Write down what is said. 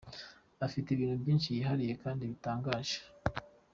Ifite ibintu byinshi yihariye kandi bitangaje.